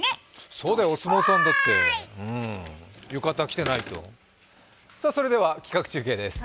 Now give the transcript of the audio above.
そうだよ、お相撲さんだってそれでは企画中継です。